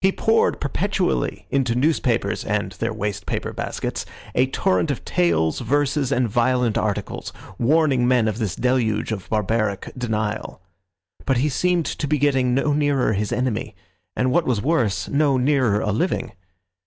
He poured perpetually into newspapers and their waste paper baskets a torrent of tales, verses and violent articles, warning men of this deluge of barbaric denial. But he seemed to be getting no nearer his enemy, and, what was worse, no nearer a living.